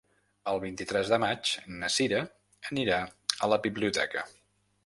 El vint-i-tres de maig na Cira anirà a la biblioteca.